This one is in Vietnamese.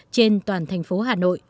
trên toàn thành phố hà nội